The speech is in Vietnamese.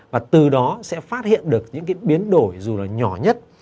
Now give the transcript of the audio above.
và từ đó sẽ phát hiện được những cái biến đổi dù là nhỏ nhất